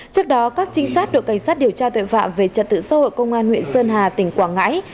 trước đó các trinh sát đội cảnh sát điều tra tội phạm về trật tự xã hội công an huyện sơn hà tỉnh quảng ngãi